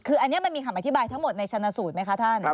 คืออันนี้มันมีคำอธิบายทั้งหมดในชนะสูตรไหมคะท่าน